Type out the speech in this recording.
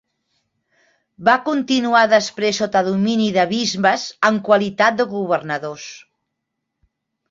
Va continuar després sota domini de bisbes en qualitat de governadors.